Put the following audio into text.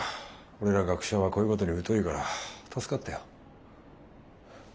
俺ら学者はこういうことに疎いから助かったよ。